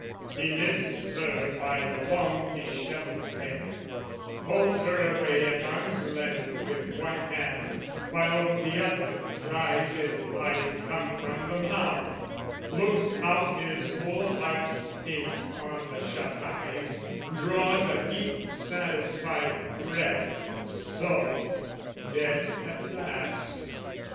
He lifts her by the long dishevelled hair, Holds her away at arms' length with one hand, While the other tries if life come from the mouth Looks out his whole heart's hate on the shut eyes, Draws a deep satisfied breath, "So dead at last!"